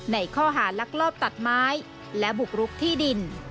ในข้อหารักลอบตัดไม้และบุกรุกที่ดิน